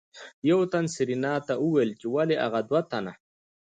يو تن سېرېنا ته وويل ولې اغه دوه تنه.